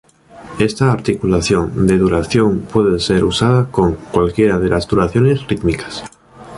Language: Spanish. Esta articulación de duración puede ser usada con cualquiera de las duraciones rítmicas.